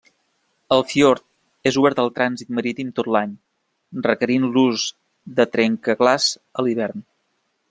El fiord és obert al trànsit marítim tot l'any, requerint l'ús de trencaglaç a l'hivern.